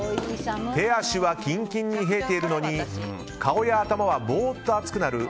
手足はキンキンに冷えているのに顔や頭は、ぼーっと熱くなる